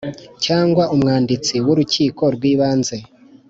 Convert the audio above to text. cyangwa Umwanditsi w Urukiko rw Ibanze